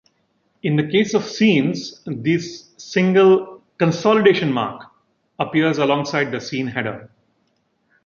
In the case of scenes, this single "consolidation mark" appears alongside the scene header.